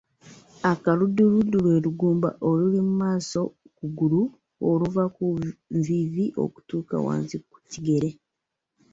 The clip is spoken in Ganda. Akalundulundu lwe lugumba oluli mu maaso g’okugulu oluva ku vviivi okutuuka wansi ku kigere.